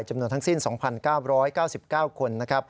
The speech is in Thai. จำนวนทั้งสิ้น๒๙๙๙๙คน